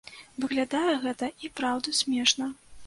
Выглядае гэта і праўда смешна.